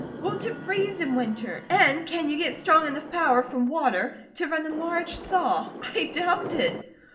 Won't it freeze in winter? and can you get strong enough power from water to run a large saw? I doubt it!"